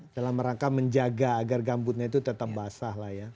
dalam rangka menjaga agar gambutnya itu tetap basah lah ya